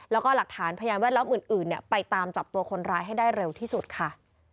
แล้วก็หลักฐานพยานแวดล้อมอื่นไปตามจับตัวคนร้ายให้ได้เร็วที่สุดค่ะ